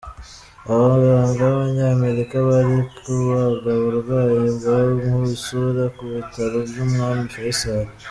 Abaganga b’Abanyamerika bari kubaga uburwayi bwo mu isura ku bitaro by’Umwami Fayisali